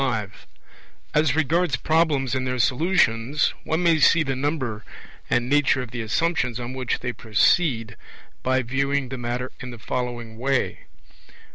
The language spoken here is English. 25 As regards Problems and their Solutions, one may see the number and nature of the assumptions on which they proceed by viewing the matter in the following way.